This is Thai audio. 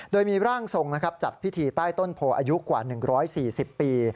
โดยมีร่างทรงจัดพิธีใต้ต้นโพอายุกว่า๑๔๐ปี